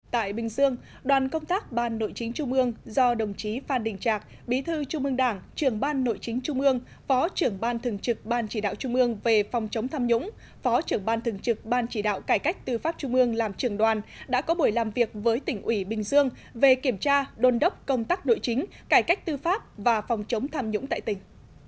tại bình dương đoàn công tác ban nội chính trung ương do đồng chí phan đình trạc bí thư trung ương đảng trường ban nội chính trung ương phó trưởng ban thường trực ban chỉ đạo trung ương về phòng chống tham nhũng phó trưởng ban thường trực ban chỉ đạo cải cách tư pháp trung ương làm trường đoàn đã có buổi làm việc với tỉnh ủy bình dương về kiểm tra đôn đốc công tác nội chính cải cách tư pháp và phòng chống tham nhũng tại tỉnh